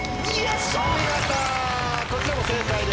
お見事こちらも正解です。